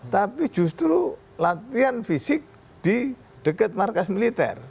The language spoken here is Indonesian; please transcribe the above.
tapi justru latihan fisik di dekat markas militer